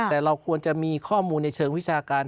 แต่เราควรจะมีข้อมูลในเชิงวิชาการ